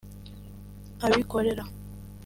abikorere